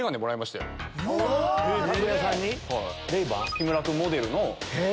木村君モデルの。